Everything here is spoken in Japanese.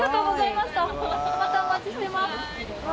またお待ちしてます。